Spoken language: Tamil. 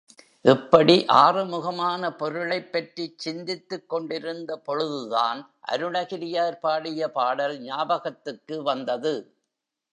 இப்படி ஆறுமுகமான பொருளைப் பற்றிச் சிந்தித்துக் கொண்டிருந்த பொழுதுதான் அருணகிரியார் பாடிய பாடல் ஞாபகத்துக்கு வந்தது.